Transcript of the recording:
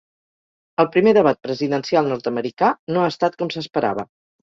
El primer debat presidencial nord-americà no ha estat com s’esperava.